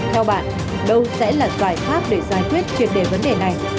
theo bạn đâu sẽ là giải pháp để giải quyết triệt đề vấn đề này